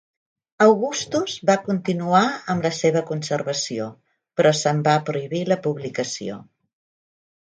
Augustus va continuar amb la seva conservació, però se'n va prohibir la publicació.